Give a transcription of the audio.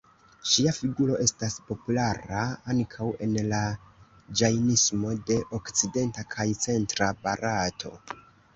Ŝia figuro estas populara ankaŭ en la Ĝajnismo de okcidenta kaj centra Barato.